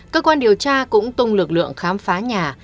cơ quan điều tra cũng tung lực lượng khám phá nhà